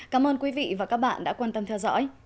cảm ơn quý vị và các bạn đã quan tâm theo dõi